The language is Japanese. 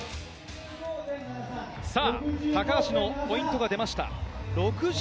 高橋のポイントが出ました。